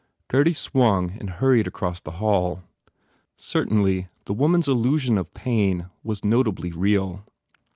Gurdy swung and hurried across the hall. Certainly, the woman s illusion of pain was notably real.